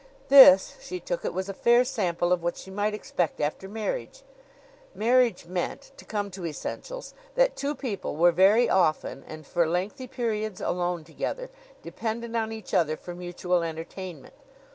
This, she took it, was a fair sample of what she might expect after marriage. Marriage meant to come to essentials that two people were very often and for lengthy periods alone together, dependent on each other for mutual entertainment.